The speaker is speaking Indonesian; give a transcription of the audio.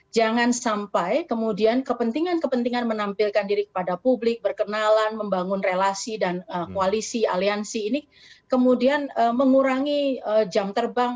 jangan sampai kemudian kepentingan kepentingan menampilkan diri kepada publik berkenalan membangun relasi dan koalisi aliansi ini kemudian mengurangi jam terbang